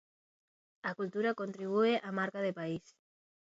A cultura contribúe á marca de país.